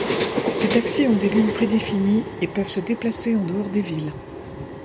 Ces taxis ont des lignes prédéfinies et peuvent se déplacer en dehors des villes.